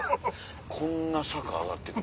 こんな坂上がってくの？